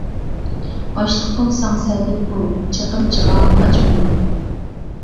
باشلىق بولساڭ سەگەك بول، چېقىمچىغا ئاچما يول.